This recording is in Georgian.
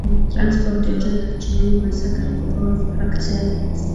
ტრანსპორტიორზე დარჩენილი მასა გაიყოფა ორ ფრაქციად.